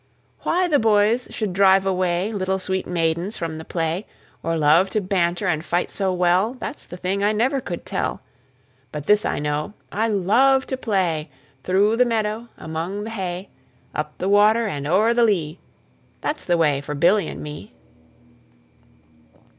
Why the boys should drive away, Little sweet maidens from the play, Or love to banter and fight so well, That's the thing I never could tell. But this I know, I love to play, Through the meadow, among the hay; Up the water and o'er the lea, That's the way for Billy and me.